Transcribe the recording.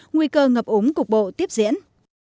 nguy cơ ngập ống cục bộ tiếp diễn